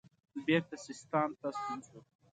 بیرته سیستان ته ستون شو.